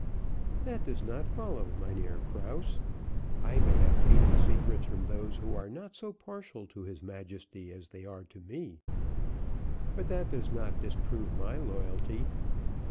"That does not follow, Mynheer Krause, I may obtain the secrets from those who are not so partial to his Majesty as they are to me, but that does not disprove my loyalty.